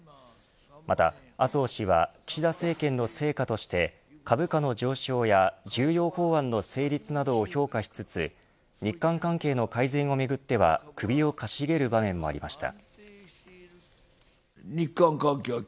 また麻生氏は岸田政権の成果として株価の上昇や重要法案の成立などを評価しつつ日韓関係の改善をめぐっては首をかしげる場面もありました。